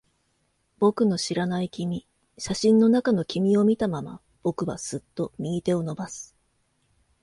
僕の知らない君。写真の中の君を見たまま、僕はすっと右手を伸ばす。